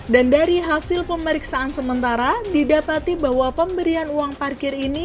dan dari hasil pemeriksaan sementara didapati bahwa pemberian uang parkir ini